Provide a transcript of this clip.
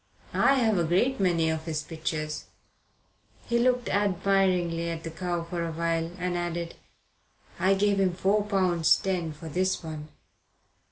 I have a great many of his pictures." He looked admiringly at the cow for a while, and added: "I gave him four pounds ten for this one."